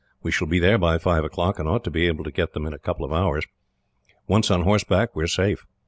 We shall be there by five o'clock, and ought to be able to get them in a couple of hours. Once on horseback, we are safe.